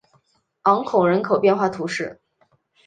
昂孔人口变化图示